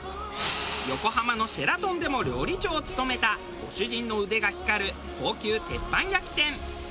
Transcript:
横浜のシェラトンでも料理長を務めたご主人の腕が光る高級鉄板焼店。